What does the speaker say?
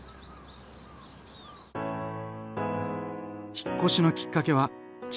引っ越しのきっかけは築